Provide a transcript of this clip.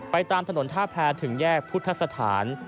ไปตามถนนท่าแพ้ถึงแยกพุทธศาสตร์